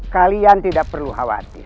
kalian tidak perlu khawatir